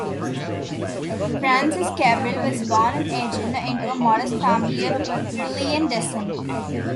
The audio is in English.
Francis Cabrel was born in Agen into a modest family of Friulian descent.